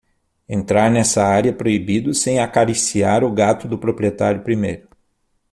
Entrar nessa área é proibido sem acariciar o gato do proprietário primeiro.